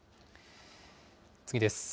次です。